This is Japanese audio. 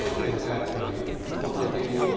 やっぱりお子さん的には。